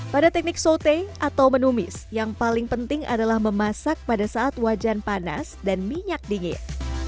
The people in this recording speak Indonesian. pada teknik sote atau menumis yang paling penting adalah memasak pada saat wajan panas dan minyak dingin